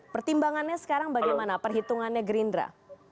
pertimbangannya sekarang bagaimana perhitungannya gerindra